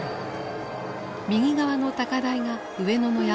右側の高台が上野の山である。